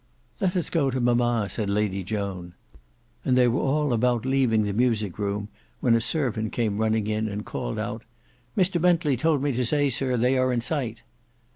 "Let us go to mama," said Lady Joan. And they were all about leaving the music room, when a servant came running in and called out "Mr Bentley told me to say, sir, they are in sight."